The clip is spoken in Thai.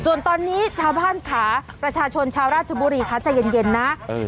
ส่วนตอนนี้ชาวบ้านขาประชาชนชาวราชบุรีคะใจเย็นนะ